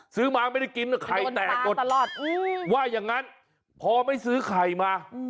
ซื้อมาไม่ได้กินไข่แตกหมดว่าอย่างนั้นพอไม่ซื้อไข่มา